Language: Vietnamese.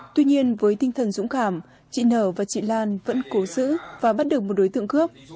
tuy nhiên với tinh thần dũng cảm chị nở và chị lan vẫn cố giữ và bắt được một đối tượng cướp